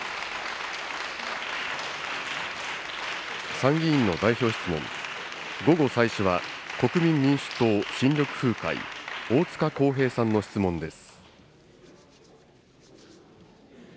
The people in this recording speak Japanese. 参議院の代表質問、午後最初は、国民民主党・新緑風会、大塚耕平さんの質問です。